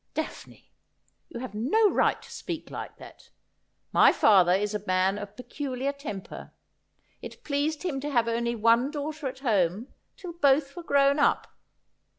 ' Daphne, you have no right to speak like that. My father is a man of peculiar temper. It pleased him to have only one daughter at home till both were grown up.